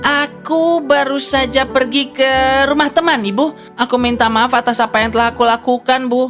aku baru saja pergi ke rumah teman ibu aku minta maaf atas apa yang telah aku lakukan bu